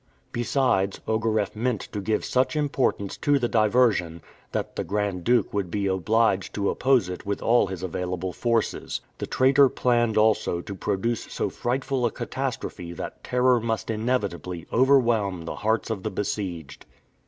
Besides, Ogareff meant to give such importance to the diversion, that the Grand Duke would be obliged to oppose it with all his available forces. The traitor planned also to produce so frightful a catastrophe that terror must inevitably overwhelm the hearts of the besieged.